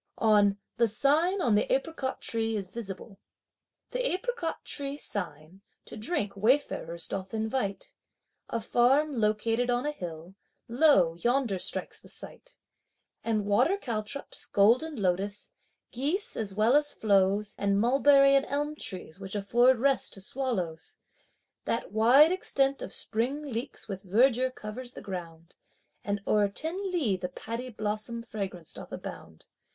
On "the sign on the apricot tree is visible:" The apricot tree sign to drink wayfarers doth invite; A farm located on a hill, lo! yonder strikes the sight! And water caltrops, golden lotus, geese, as well as flows, And mulberry and elm trees which afford rest to swallows. That wide extent of spring leeks with verdure covers the ground; And o'er ten li the paddy blossom fragrance doth abound.